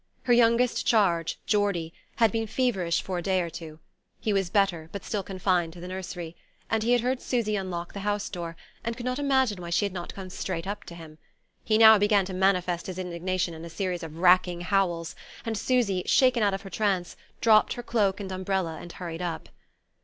Her youngest charge, Geordie, had been feverish for a day or two; he was better, but still confined to the nursery, and he had heard Susy unlock the house door, and could not imagine why she had not come straight up to him. He now began to manifest his indignation in a series of racking howls, and Susy, shaken out of her trance, dropped her cloak and umbrella and hurried up.